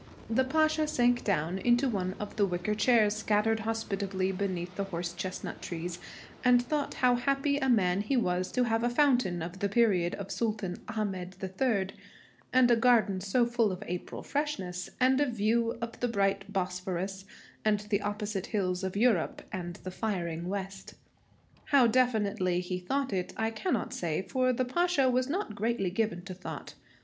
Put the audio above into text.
The Pasha sank down into one of the wicker chairs scattered hospitably beneath the horse chestnut trees, and thought how happy a man he was to have a fountain of the period of Sultan Ahmed III, and a garden so full of April freshness, and a view of the bright Bosphorus and the opposite hills of Europe and the firing West. How definitely he thought it, I cannot say, for the Pasha was not greatly given to thought.